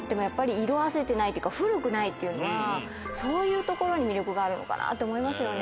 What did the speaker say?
古くないっていうのはそういうところに魅力があるのかなって思いますよね。